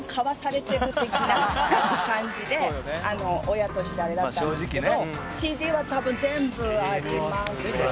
親としてあれだったんですけど。